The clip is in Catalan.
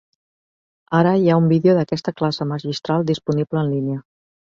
Ara hi ha un vídeo d'aquesta classe magistral disponible en línia.